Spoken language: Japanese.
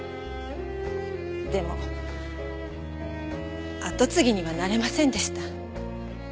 でも後継ぎにはなれませんでした。